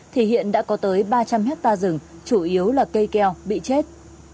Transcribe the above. thì hiện đã có tới ba trăm linh hectare rừng chủ yếu là cây keo bị chết